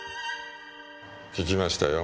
聞きましたよ。